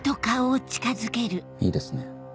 いいですね？